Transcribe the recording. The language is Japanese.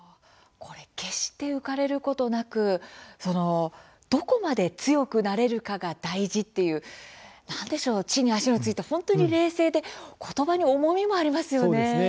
決して浮かれることなくどこまで強くなれるかが大事という地に足が着いた、本当に冷静でことばに重みがありますね。